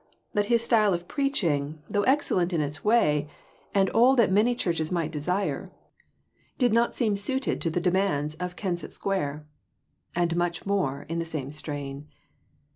That his style of preaching, though 346 PRECIPITATION. excellent in its way, and all that many churches might desire, did not seem suited to the demands of Kensett Square. And much more, in the same strain.